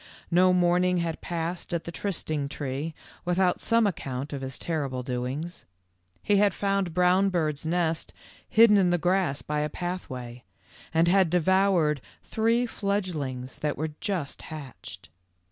No morn ing had passed at the trysting tree without some account of his terrible doings. He had found Brownbird's nest hidden in the grass by a pathway, and had devoured three fledgelings that were just hatched.